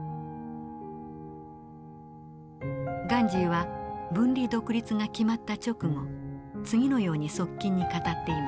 ガンジーは分離独立が決まった直後次のように側近に語っています。